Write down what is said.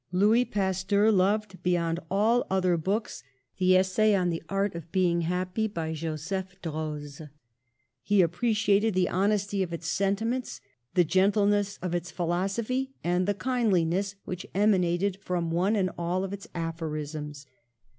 Louis Pasteur loved, beyond all other books, 14 PASTEUR the Essay on the Art of Being Happy, by Jo seph Droz. He appreciated the honesty of its sentiments, the gentleness of its philosophy and the kindliness which emanated from one and all of its aphorisms.